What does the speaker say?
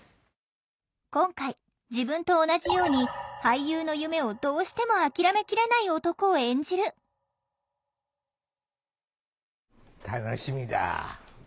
今回自分と同じように俳優の夢をどうしても諦めきれない男を演じる楽しみだ。